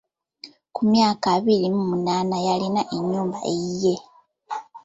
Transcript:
Ku myaka abiri mu munaana yalina ennyumba eyiye.